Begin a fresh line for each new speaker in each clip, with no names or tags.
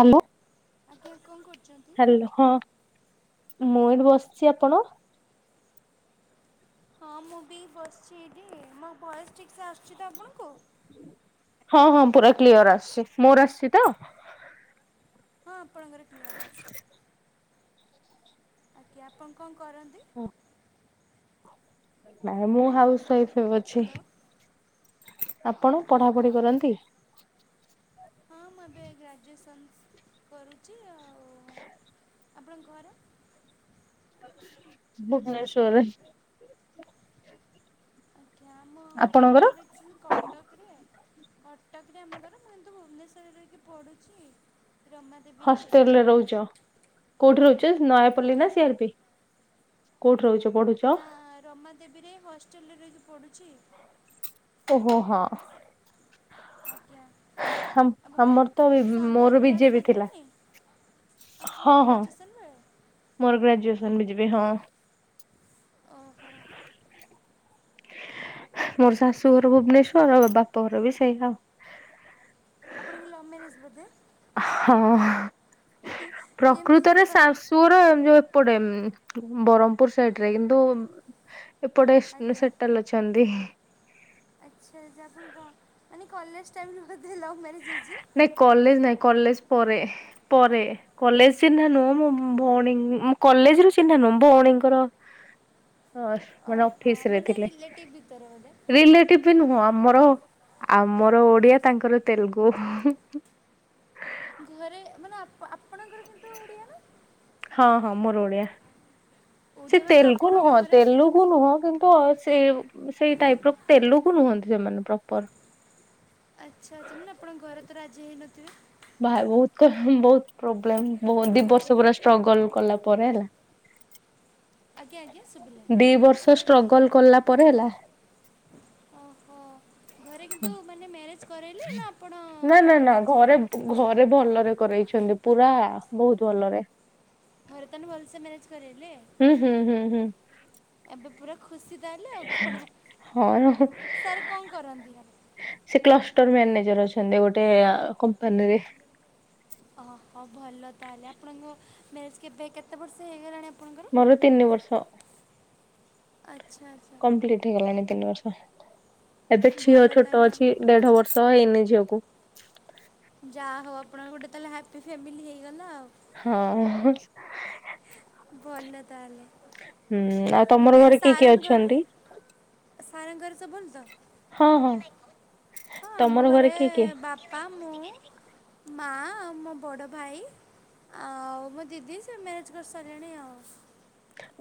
Hello.
ଆଜ୍ଞା କଣ କରୁଚନ୍ତି?
ହଁ ମୁଁ ଏଇଠି ବସିଛି ଆପଣ।
ହଁ ମୁଁ ବି ବସିଚି ଏଇଟି ମୋ ଭୟେସ୍ ଠିକ୍ ସେ ଆସୁଛି ତ ଆପଣଙ୍କୁ।
ହଁ ହଁ ପୁରା କ୍ଲିୟର ଆସୁଚି ମୋର ଆସିଚି ତ।
ହଁ ଆପଣଙ୍କର କ୍ଲିୟର ଆସୁଚି। ଆଜ୍ଞା ଆପଣ କଣ କରନ୍ତି?
ନାଇଁ ମୁଁ ହାଉସି ୱାଇଫ ଏବେ
ହ୍ୟାଲୋ।
ଅଛି ଆପଣ
ଆଜ୍ଞା।
ପଢାପଢି କରନ୍ତି।
ହଁ ମୁଁ ଏବେ ଗ୍ରାଜୁଏସନ୍ କରୁଚି ଆଉ
[inaudible]
ଆପଣଙ୍କ ଘର।
ଭୁବନେଶ୍ୱରେ।
ନାମ ଆମ
ଆପଣଙ୍କର?
ଘରକିନ୍ତୁ କଟକରେ କଟକରେ ଆମ ଘର ମୁ କିନ୍ତୁ ଭୁବନେଶ୍ୱରରେ ରହିକି ପଡୁଚି ରମା
ହଷ୍ଟେଲରେ ରହୁଚ କୋଉଠି ରହୁଚ ନୟାପଲ୍ଲୀ
ଆଜ୍ଞା।
ନା ସିଆରପି। କୋଉଠୁ ରହୁଚ ପଢୁଚ?
ନା ରମା ଦେବୀରେ ହଷ୍ଟେଲରେ ରହିକି ପଡୁଚି।
ଓହୋ ହଁ।
ଆଜ୍ଞା ଏବଂ
ଆମର ତ
ସନ୍ଧ୍ୟା
ମୋର ବିଜେପି ଥିଲା।
ଅହଁ
ହଁ ହଁ
ଗ୍ରାଜୁଏସନ୍ ବେଳେ।
ମୋର ଗ୍ରାଜୁଏସନ ବିଯେବି ହଁ।
ଓ ହଁ।
ମୋର ଶାଶୁ ଘର୍ ଭୁବନେଶ୍ଵର ଆଉ ବାପା ଘର ବି ସେଇଆ।
ଆପଣକୁ ଲଭ୍ ମ୍ୟାରେଜ୍ ବୋଧେ?
ହଁ
କେମିତି
ପ୍ରକୃତରେ
ଆପଣ
ଶା ପୁର ଯୋଉ ଏପଟେ ବରଣପୁର ସାଇଡ ରେ କିନ୍ତୁ ଏପଟେ
ଆଜ୍ଞା
ସେଟେଲ୍ ଅଛନ୍ତି।
ଆଚ୍ଛା ଆପଣ କଣ ମାନେ କଲେଜ ଟାଇମରେ ବୋଧେ ଲଭ୍ ମ୍ୟାରେଜ୍ ହେଇଛି।
ନାଇଁ କଲେଜ ନାଇଁ କଲେଜ ପରେ ପରେ। କଲେଜ ଚିହ୍ନା ନୁହଁ ମୋ ଭଉଣୀ କଲେଜ ରୁ ଚିହ୍ନା ନୁହଁ ଭଉଣୀଙ୍କର ହଁ ମାନେ
ଓହୋ
ଅଫିସି ରେ
ମାନେ
ଥିଲେ।
ରିଲେଟିଭ୍ ଭିତରେ ବୋଧେ
ରିଲେଟିପି ନୁହଁ ଆମର ଆମର ଓଡିଆ ତାଙ୍କର ତେଲୁଗୁ।
ଘରେ ମାନେ ଆପ ଆପଣଙ୍କର କିନ୍ତୁ ଓଡ଼ିଆ ନା
ହଁ ହଁ ମୋର ଓଡିଆ ସେ
ଓଡ଼ିଆ ମାନେ ତ
ତେଲୁଗୁ ନୁହଁ
ଆପଣଙ୍କ ଘରେ
ତେଲୁ ଗୁ ନୁହଁ କିନ୍ତୁ ସେ ସେଇ ଟାଇପ୍ ର ଲକୁ ନୁହନ୍ତି ସେମାନେ ପ୍ରପର
ଆଚ୍ଛା ଆଚ୍ଛା ମାନେ ଆପଣଙ୍କ ଘରେ ତ ରାଜି ହେଇନଥିବେ।
ଭାଇ ବହୁତ ବହୁତ ପ୍ରୋବ୍ଲେମ ବହୁତ ଦି ବର୍ଷ ପୁର ଷ୍ଟ୍ରଗଲ କଲା ପରେ ହେଲା।
ଆଜ୍ଞା ଆଜ୍ଞା ଶୁଭିଲାନି
ଦି ବର୍ଷ ଷ୍ଟ୍ରଗଲ କଲା ପରେ ହେଲା।
ଓହୋ ଘରେ କିନ୍ତୁ ମାନେ ମ୍ୟାରେଜ କରାଇଲେ ନା ଆପଣ
ନା ନା
ଘରେ
ନା
ରାଜି ହେଲେ।
ଘରେ ଭଲରେ କରେଇଛନ୍ତି ପୁରା ବହୁତ ଭଲରେ।
ଘରେ ତାହାଲେ ଭଲସେ ମ୍ୟାରେଜ୍ କରେଇଲେ।
ହୁଁ ହୁଁ ହୁଁ ହୁଁ।
ଏବେ ପୁରା ଖୁସି ତାହାଲେ ଆଉ କଣ
ହଁ
ସାର୍ କଣ କରନ୍ତି ତାହେଲେ?
ସେ କ୍ଲଷ୍ଟର ମ୍ୟାନେଜର ଅଛନ୍ତି ଗୋଟେ କମ୍ପାନୀରେ।
ହ ହଁ ଭଲ ତାହେଲେ ଆପଣଙ୍କ ମ୍ୟାରେଜ୍ କେବେ କେତେ ବର୍ଷ ହେଇଗଲାଣି ଆ
ମୋର ତିନି ବର୍ଷ
ଆଚ୍ଛା ଆଚ୍ଛା
କଂପ୍ଲଟି। ହେଇ ଗଲାଣି ତିନି ବର୍ଷ ଏବେ ଝିଅ
ଭଲ
ଛୋଟ
ତାହେଲେ
ଅଛି ଦେଢ ବର୍ଷ ହେଇନି ଝିଅକୁ।
ଯାହା ହଉ ଆପଣଙ୍କ ଗୋଟେ ତାହେଲେ ହ୍ୟାପି ଫେମିଲି ହେଇଗଲା ଆଉ।
ହଁ।
ଭଲ ତାହାଲେ।
ହୁଁ ଆଉ ତମର ଘରେ କିଏ କିଏ
ଘରେ
ଅଛନ୍ତି?
ସାରଙ୍କ ଘରେ ସବୁଭଲ ତ
ହଁ ହଁ
ହଁ ଆମ
ତମର
ଘରେ
କିଏ କିଏ
ବା ମାମୁଁ ମା ଆଉ ମୋ ବଡ ଭାଇ ଆଉ ମୋ ଦିଦି ସେ ମ୍ୟାରେଜ୍ କରି ସାରିଲେଣି।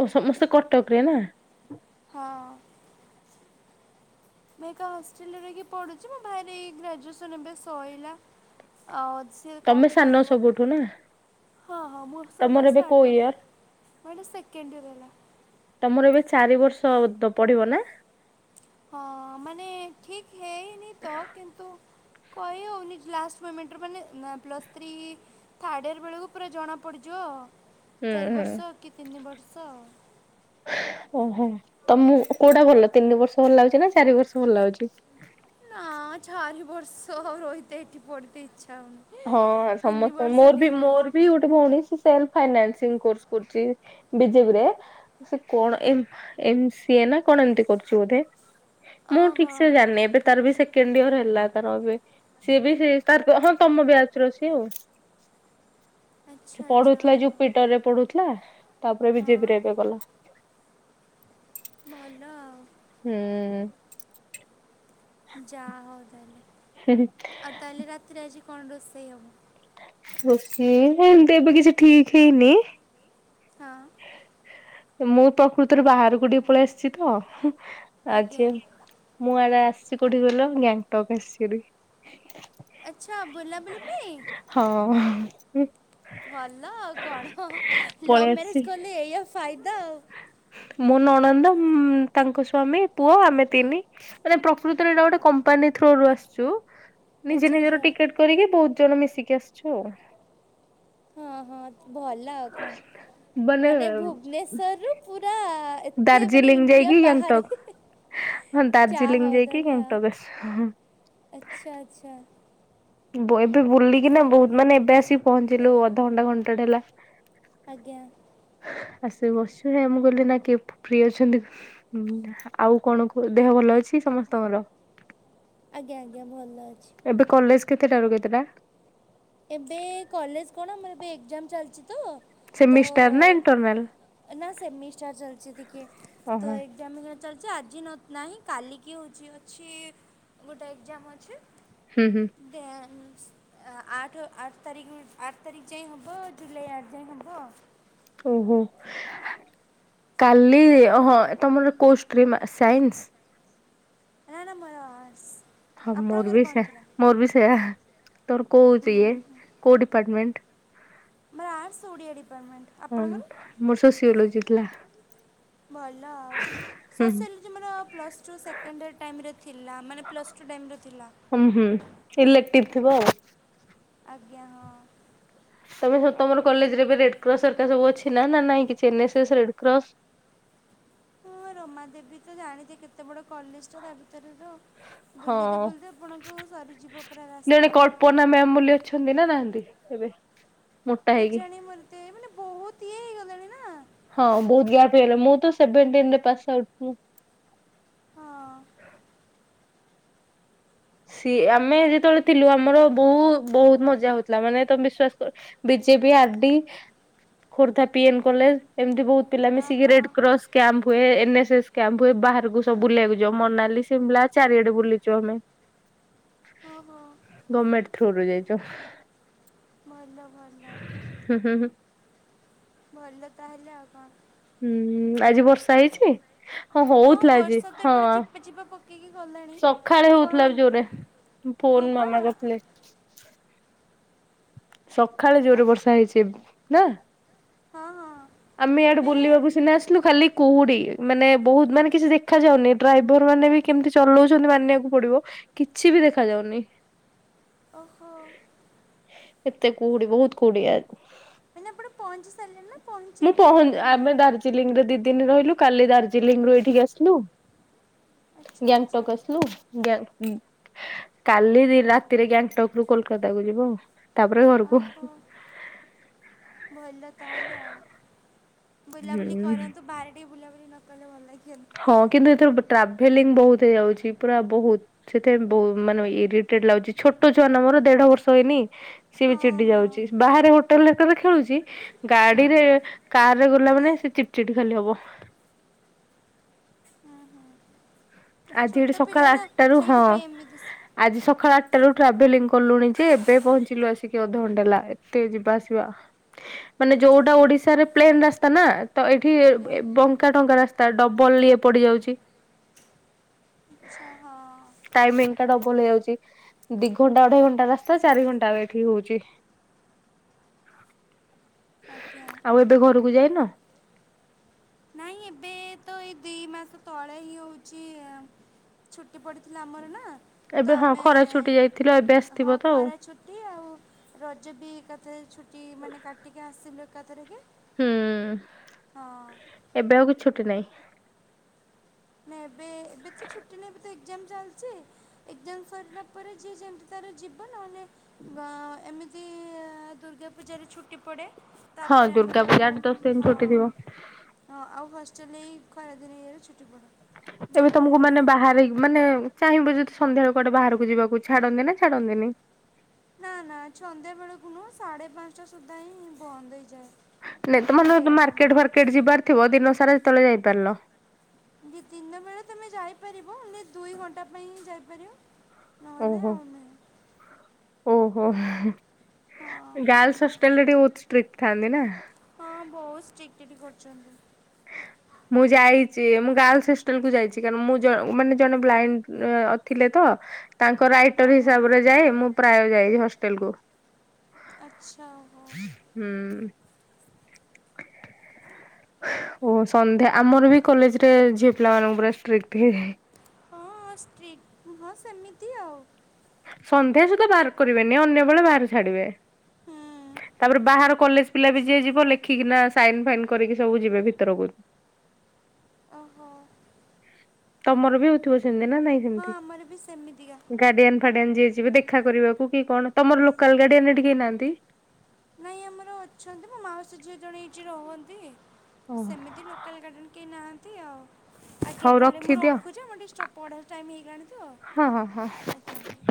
ଓ ସମସ୍ତେ କଟକରେ ନା।
ହଁ। ମେ ଏକା ହଷ୍ଟେଲରେ ରହିକି ପଢ଼ୁଛି ମୋ ଭାଇ ର ଏ ଗ୍ରାଜୁଏସନ୍ବେ ଏବେ ସଇଲା ଅ ସିଏ
ତମେ
କଣ
ସାନ
କରିବ।
ସବୁଠୁ ନା
ହଁ ହଁ ମୁଁ ସଭା
ତମର ଏବେ କୋଉ
ସାନ
ଇୟର?
ମୋର ସେକେଣ୍ଡିୟର ହେଲା।
ତମର ଏବେ ଚାରି ବର୍ଷ ତ ପଢିବ ନା?
ହଁ ମାନେ ଠିକ ହେଇନି ତ କିନ୍ତୁ କହି ହେଉନି ଲାଷ୍ଟ ମିମେଣ୍ଟରେ ମାନେ ନା ପ୍ଲସ୍ ଥ୍ରୀ ଥାର୍ଡ଼ ୟର ବେଳକୁ ପୁରା ଜଣାପଡ଼ିଯିବ
ହୁଁ
ଚାରି
ହୁଁ
ବର୍ଷ କି ତିନି ବର୍ଷ।
ଓହୋ ତମ କୋଉଟା ଭଲ ତିନି ବର୍ଷ ଭଲ ଲାଗୁଛି ନା ଚାରି ବର୍ଷ ଭଲ ଲାଗୁଛି।
ନା ଚାରି ବର୍ଷ ରହିତେ ଏଠି ପଢିତେ ଇଚ୍ଛା ହଉନି।
ହଁ
ତିନି
ସମସ୍ତେ
ବର୍ଷ
ମୋର ବି
ଠିକ୍ ଅଛି
ମୋର ବି ଗୋଟେ ଭଉଣୀ ଅସି ସେଲ୍ଫ ଫାନାଇନାନ୍ସସିଆଲ କୋର୍ସ କରୁଛି ବିଜେପି ରେ। ସେ କଣ ଏମ୍ ଏମ୍ ସିଏ ନା କଣ ଏମତି କରୁଛି ବୋଧେ। ମୁଁ ଠିକ୍
ଓହୋ
ସେ ଜାଣିନି ଏବେ ତାର ବି ସେକେଣ୍ଡ ଇୟର ହେଲା ତାର ଏବେ ସିଏ ବି ସେ ତାର ତ ହଁ ତମ ବ୍ୟାଚର ସିଏ ଆଉ
ଆଚ୍ଛା ଆଚ୍ଛା
ପଢୁଥିଲା
ଓହୋ।
ଯୁପିଟରରେ ପଢୁଥିଲା। ହେଲା ତାପରେ
ହଁ
ବିଜେପିରେ ଏବେ କଲା।
ଭଲ ଆଉ।
ହୁଁ
ଯାହା ହଉ ତାହାଲେ।
ହୁଁ ହୁଁ
ଆଉ ତାହା ହେଲେ ରାତିରେ ଆଜି କଣ ରୋଷେଇ ହବ
ସେଇ ଏମିତି ଏବେ କିଛି ଠିକ ହେଇନି
ହଁ
ମୁଁ ପ୍ରକୃତରେ ବାହାରକୁ ଟିକେ ପଳେଇ ଆସିଛି ତ
ଆଜ୍ଞା
ଆଜି ମୁଁ ଆଡେ ଆସିଚି କୋଉଠି କି କହିଲ ଗ୍ୟାଙ୍ଗଟକ ଆସିଚି ହେରି
ଆଚ୍ଛା ବୁଲା ବୁଲି ପାଇଁ
ହଁ
ଭଲ ଆଉ କଣ ଲଭ
ପଳେଇ ଆସିଛି
ମ୍ୟାରେଜ କଲେ ଏଇଆ ଫାଇଦା ଆଉ
ମୋ ନଣନ୍ଦ ତାଙ୍କ ସ୍ଵାମୀ ପୁଅ ଆମେ ତିନି ମାନେ ପ୍ର କୃତରେ ଗୋଟେ କମ୍ପାନୀ ଥ୍ରୋରୁୁ ଆସିଛୁ ନିଜେ
ଆଚ୍ଛା
ନିଜର
ଆଚ୍ଛା
ଟିକେଟ କରିକି ବହୁତ ଜଣ ମିଶିକି ଆସିଛୁ ଆଉ
ହଁ ହଁ ଭଲ ଆଉ କଣ ମାନେ ଭୁବନେଶ୍ଵରରୁୁ ପୁରା ଏତେ ମାନେ
ଦାର୍ଜିଲିଂ
ଇଣ୍ଡିଆ
ଯାଇକି
ବାହାରେ
ଗ୍ୟାଙ୍ଗଟକ ହଁ
ଯାହା
ଦାର୍ଜିଲିଂ
ହଉ
ଯାଇକି
ତାହେଲେ ଆଉ
ଗେଙ୍ଗଟକ୍ ଆସିଛୁ
ଆଚ୍ଛା ଆଚ୍ଛା
ବଏ ଏବେ ବୁଲିକିନା
ଭଲ
ବହୁତ ମାନେ
ତାହେଲେ
ଏବେ ଆସିକି ପହଞ୍ଚିଲୁ ଅଧଘଣ୍ଟା ଘଣ୍ଟାଟେ ହେଲା
ଆଜ୍ଞା
ଆସିକି ବସିଚୁ ହେ ମୁଁ କହିଲି ନା କିଏ ଫ୍ରି ଅଛନ୍ତି ହୁଁ ଆଉ କଣ କୁ ଦେହ ଭଲ ଅଛି ସମସ୍ତଙ୍କର
ଆଜ୍ଞା ଆଜ୍ଞା ଭଲ ଅଛି
ଏବେ କଲେଜ କେତେଟାରୁ କେତେଟା
ଏବେ କଲେଜ କଣ ଆମର ଏବେ ଏକ୍ଜାମ ଚାଲିଛି ତ ତ
ସେମିଷ୍ଟାର ନା ଇଣ୍ଟରନାଲ
ନା ସେମିଷ୍ଟାର ଚାଲଛି ଟିକିଏ ତ
ଓହୋ।
ଏ ମିଶନ ଚାଲିଛି ଆଜି ନ ନାହିଁ କାଲିକି ହେଉଛି ଅଛି ଗୋଟେ ଏକଜାମ୍ ଅଛି
ହୁଁ ହୁଁ
ଦେନ୍ ଆଠ ଆଠ ତାରିଖ ଆଠ ତାରିଖ ଯାଏଁ ହବ ଜୁଲାଇ ଆଠ ଯାଏଁ ହବ
ଓହୋ କାଲି ହଁ ତମର କୋଉ ଷ୍ଟ୍ରିମ୍ ସାଇନ୍ସ
ନା ନା ମର ଆର୍ଟସ
ହଁ ମୋର ବି ସେ ମୋର ବି ସେୟା ତୋର କୋଉ ଇଏ କୋଉ ଡିପାର୍ଟମେଣ୍ଟ
ମୋର ଆର୍ଟ୍ସ ଓଡିଆ ଡିପାର୍ଟମେଣ୍ଟ
ହଁ
ଆପଣଙ୍କର
ମୋର ସୋସିଓଲୋଜି ଥିଲା।
ଭଲ ଆଉ
ହୁଁ ହୁଁ।
ସସିଲ ଯେ ମୋର ପ୍ଲସ୍ ଟୁ ସେକେଣ୍ଡ ଇୟର ଟାଇମରେ ଥିଲା ମାନେ ପ୍ଲସ୍ ଟୁ ଟାଇମରେ ଥିଲା
ହୁଁ ହୁଁ ଇଲେକ୍ଟୀବ୍ ଥିବ ଆଉ
ଆଜ୍ଞା ହଁ
ତମେ ସ ତମର କଲେଜରେ ଏବେ ରେଡର ସବୁ ଅଛି ନା ନାଇଁ କିଛି ଏଏସ୍ ରେସ
ମୁଁ ରୋମା ଦେବୀ ତ ଜାଣିଛି କେତେ ବଡ କଲେଜ ଟା ତା ଭିତରେ ତ
ହଁ
ବୁଲିତେ ବୁଲଦେ ଆପଣଙ୍କୁ ସରିଯିବ ପୁରା ରାସ୍ତା।
ପୋନା ମ୍ୟାାମ ବୋଲି ଅଛନ୍ତି ନା ନାହାନ୍ତି ଏବେ ମୋଟା
କି
ହେଇକି?
ଜାଣେ ମରିତେ ମାନେ ବହୁତ ଇଏ ହେଇଗଲାଣି ନା?
ହଁ ବହୁ ଗ୍ୟାପ୍ ହେଇଗଲା ମୁଁ ତ ସେଭେଣ୍ଠିନ୍‌ରେ ପାସ୍
ହଁ।
ସିଏ ଆମେ ଯେତେବେଳେ ଥିଲୁ ଆମର ବହୁ ବହୁତ ମଜା ହଉଥିଲା ମାନେ ତମେ ବିଶ୍ଵାସ କର। BJP R D Khordha PN college ଏମିତି ବହୁତ ପିଲା ମିଶିକି
ଓହୋ
ରେଡ୍୍ରସ୍ କ୍ୟାମ୍ପ ହୁଏ ଏନ୍ଏସ୍ଏସ୍ କ୍ୟାମ୍ପ ହୁଏ ବାହାରକୁ ସବୁ ବୁଲିବାକୁ ଯ ମନାଲି ସିମ୍ ଚାରିଆଡେ ବୁଲିଛୁ ଆମେ
ହଁ ହୋ।
ଗଭର୍ଣମେଣ୍ଟ ଥ୍ରୁରୁରେ ଯାଇଛୁ।
ଭଲ ଭଲ।
ହୁଁ ହୁଁ ହୁଁ।
ଭଲ ତାହେଲେ ଆଉ କଅଁ।
ହୁଁ ଆଜି ବର୍ଷା ହେଇଛି ହଁ ହଉଥିଲା ଆଜି ହଁ,
ଆଜିବା ପକେଇକି ଗଲା
ସଖାଳେ ହଉଥିଲା ଜୋରେ
ହଁ
ଫୋନ
ପା
ମାମା କରିଥିଲେ। ସଖାଳେ
ଆପ
ଜୋରେ ବର୍ଷା ହେଇଛି ନା?
ହଁ ହଁ।
ଆମେ ଇଆଡେ
ଏବେ
ବୁଲିବାକୁ ସିନା ଆସିଲୁ ଖାଲି କୁହୁଡି ମାନେ ବହୁତ ମାନେ କିଛି ଦେଖା ଯାଉନି ଡ୍ରାଇଭର ମାନେ ବି କେମିତି ଚଲଉଛନ୍ତି ମାନିବାକୁ ପଡିବ କିଛି ବି ଦେଖା ଯାଉନି।
ଓହୋ।
ଏତେ କୁହୁଡି ବହୁତ କୁହୁଡି ଆ
ମାନେଆପଣ ପହଞ୍ଚି ସାରିଲେଣି ନା।
ମୁଁ
ପହଞ୍ଚିବେ
ପହ
ନା
ଆମେ
କେମିତି?
ଦାର୍ଜିଲିଂରେ ଦି ଦିନ ରହିଲୁ କାଲି ଦାର୍ଜିଲିଂ ରୁ ଏଇଠିକି ଆସିଲୁ।
ଆଚ୍ଛା ଆଚ୍ଛା
ଗ୍ୟାଙ୍ଗଟକସଲୁ। ଗ କାଲି ରାତିରେ ଗ୍ୟାଙ୍ଗଟକ ରୁ କୋଲକାତା କୁ ଯିବ ଆଉ। ତାପରେ ଘରକୁ।
ଓହୋ ଭଲ ତାହେଲେ ଆଉ ବୁଲାବୁଲି
ହୁଁ।
କରନ୍ତୁ ବାାରେ ଟେ ବୁଲାବୁଲି ନ କଲେ ଭଲ ଲାଗିବିନି।
ହଁ କିନ୍ତୁ ଏଥିରୁ ଟ୍ରାଭେଲିଂ ବହୁତ ହେଇଯାଉଛି ପୁରା ବହୁତ ସେଥିପାଇଁ ବହୁ ମାନେ ଇରିଟେଡ ଲାଗୁଛି ଛୋଟ ଛୁଆ ନ ମର ଦେଢ ବର୍ଷ ହେଇନି। ସିଏ ବି
ହଁ
ଚିଡି
ହଁ।
ଯାଉଛି ବାହାରେ [unintelligible] ଖେଳୁଛି ଗାଡିରେ କାର ରେ ଗଲା ମାନେ ସେ ଚିଟି ଚିଟି ଖାଲି ହବ।
ହୁଁ ହୁଁ
ଆଜି
ଛୋଟ
ଏଠି
ପିଲା
ସକାଳ
ନା
ଆଠଟାରୁ ହଁ।
ସେଇଥିପାଇଁ ଏମିତି
ଆଜି ସକାଳ ଆଠଟ ରାରୁ ଟ୍ରାଭେଲିଂ କଲୁଣି ଯେ ଏବେ ପହଞ୍ଚିଲୁ ଆସିକି ଅଧଘଣ୍ଟା ହେଲା ଏତେ ଯିବା ଆସିବା ମାନେ
ଆଜ୍ଞା
ଯୋଉଟା
ଆଜ୍ଞା
ଓଡିଶାରେ ପ୍ଲେନ ରାସ୍ତା ନା ତ ଏଇଠି
ଆଜ୍ଞା
ବଙ୍କା ଟଙ୍କା ରାସ୍ତା ତା ଡବଲ ଇଏ ପଡିଯାଉଛି।
ଆଚ୍ଛା ହଁ।
ଟାଇମିଙ୍ଗ ଟା ଡବଲ ହେଇଯାଉଛି ଦି ଘଣ୍ଟା ଅଢେଇ ଘଣ୍ଟା ରାସ୍ତା ଚାରି ଘଣ୍ଟା ଏଠି ହଉଛି। ହ [unintelligible]
ଆଜ୍ଞା।
ଆଉ ଏବେ ଘରକୁ ଯାଇନ?
ନାଇଁ ଏବେ ତ ଏଇ ଦି ମାସ ତଳେ ହିଁ ହୋଉଛି ଛୁଟି ପଡିଥିଲା ଆମର ନା।
ଏବେ
ତ
ହଁ
ଆମେ
ଖରା ଛୁଟି ଯାଇଥିଲ ଏବେ ଆସିଥିବ
ହଁ
ତ ଆଉ
ଖରା ଛୁଟି ଆଉ ରଜ ବି ଏକାଥରେ ଛୁଟି ମାନେ କାଟିକି ଆସିଲୁ ଏକାଥରେ କେ।
ହୁଁ
ହଁ।
ଏବେ ଆଉ କିଛି ଛୁଟି ନାହିଁ?
ନା
[inaudible]
ଏବେ ତ ଛୁଟି ନାଇଁ ତ ଏକ୍ଜାମ୍ ଚାଲିଛି ଏକ୍ଜାମ୍ ସରିଲା ପରେ ଯିଏ ଯେମତି ତାର ଯିବ ନହେଲେ ବା ଏମିତି ଦୁର୍ଗା ପୂଜାରେ ଛୁଟି ପଡେ।
ହଁ
ତାପରେ
ଦୁର୍ଗା
ଆମର
ପୂଜା ଆଠ ଦଶ ଦିନ
ହଁ।
ଛୁଟି ଥିବ
ହଁ ଆଉ ହଷ୍ଟେଲ୍ ଏଇ ଖରା ଦିନେ ଇଏରେ ଛୁଟି ପଡେ।
ଏବେ ତମକୁ ମାନେ ବାହାରେ ରହିକି ମାନେ ଚାହିଁବ ଯଦି ସନ୍ଧ୍ୟାବେଳେ କୁଆଡେ ବାହାରକୁ ଯିବାକୁ ଛାଡନ୍ତି ନା ଛାଡନ୍ତିନି?
ନାଁ ନାଁ ସନ୍ଧ୍ୟା ବେଳକୁ ନୁହୁଁ ସାଢ଼େ ପାଞ୍ଚଟା ସୁଦ୍ଧା ହିଁଁ ବନ୍ଦ ହେଇଯାଏ।
ନାଇଁ
ମାନେ
ତମର ଧର
ଗେଟ୍
ମାର୍କେଟ୍
ଆମର
ଫାର୍କେଟ୍ ଯିବାର ଥିବ ଦିନ ସାରା ଯେତେବେଳେ ଯାଇପାରିଲ।
ଦିନ ବେଳେ ତମେ ଯାଇପାରିବ ହେଲେ ଦୁଇ ଘଣ୍ଟା ପାଇଁ ହିଁ ଯାଇପାରିବ। ନହେଲେ
ଓହୋ
ଆଉ ନାହିଁ
ଓହୋ।
ହଁ
ଗାର୍ଲସ୍ ହଷ୍ଟେଲ୍ ରେ ଟିକେ ବହୁତ ଷ୍ଟ୍ରିକ ଥାନ୍ତି ନାଁ?
ହଁ ବୋହୁତ ଷ୍ଟ୍ରିକ୍ଟ ଏଠି କରୁଛନ୍ତି।
ମୁଁ ଯାଇଛି ମୁଁ ଗାର୍ଲସ ହଷ୍ଟେଲ୍ କୁ ଯାଇଛି କାରଣ ମୁଁ ଜ ମାନେ ଜଣେ ବ୍ଲାଇଣ୍ଡ ଅ ଥିଲେ ତ। ତାଙ୍କ ରାଇଟର୍
ଓହୋ
ହିସାବରେ ଯାଏ ମୁଁ ପ୍ରାୟ ଯାଏ ହଷ୍ଟେଲ୍ କୁ।
ଆଚ୍ଛା ହଁ।
ହୁଁ। [inaudible] ଓ ସନ୍ଧ୍ୟା ଆମର ବି କଲେଜ ରେ ଝିଅ ପିଲାମାନଙ୍କୁ ପୁରା ଷ୍ଟ୍ରିକ୍ଟ ଲି।
ହଁ ଷ୍ଟ୍ରିକ୍ ନୁହଁ ସେମିତି ଆଉ।
ସନ୍ଧ୍ୟା ସୁଧା ବାହାର କରିବେନି ଅନ୍ୟ ବେଳେ ବାହାର ଛାଡିବେ
ହୁଁ
ତାପରେ ବାହାର କଲେଜ ପିଲା ବି ଯିଏ ଯିବ ଲେଖିକିନା ସାଇନ ଫାଇନ୍ କରିକି ସବୁ ଯିବେ ଭିତରକୁ।
ଓହୋ।
ତମର ବି ହୋଉଥିବ ସେମିତି ନା ନାଇଁ?
ହଁ ଆମର ବି ସେମିତିକା।
ଗାଡିଆନ୍ ଫାଡିଆନ୍ ଯିଏ ଯିବେ ଦେଖା କରିବାକୁ କି କଣ ତମର ଲୋକାଲ୍ ଗାଡିଆନ୍ ଏଠି କେହି ନାହାନ୍ତି?
ନାଇଁ ଆମର ଅଛନ୍ତି ମୋ ମାଉସୀ ଝିଅ ଜଣେ ଏଇଠି ରହନ୍ତି
ଓ
ସେମିତି ଲୋ ଲୋକାଲ୍ ଗାର୍ଡିଆନ୍ କେହି ନାହାନ୍ତି ଆଉ ଆଜ୍ଞା
ହଉ
ତାହେଲେ ମୁଁ
ରଖିଦିଅ
ରଖୁଛି ମୁଁ ଟିକେ ଷ୍ଟ ପଢ଼ା ଟାଇମ୍ ହେଇଗଲାଣି ତ।
ହଁ ହଁ ହଁ।
ଆଜ୍ଞା ଆଜ୍ଞା।